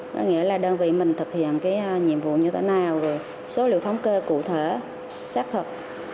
nó nghĩa là đơn vị mình thực hiện nhiệm vụ như thế nào số liệu thống kê cụ thể xác thực